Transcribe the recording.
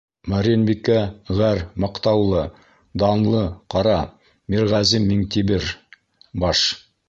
Мәрйенбикә ғәр. — маҡтаулы, данлы — ҡара: Мирғәзим Миңтимер баш.